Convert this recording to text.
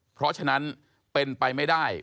เพราะฉะนั้นเป็นไปไม่ได้